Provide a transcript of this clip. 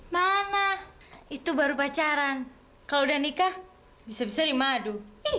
mana itu baru pacaran kalau udah nikah bisa bisa dimadu